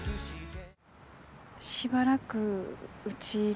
しばらくうちいる？